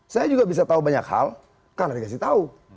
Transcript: saya juga bisa tahu banyak hal karena dikasih tahu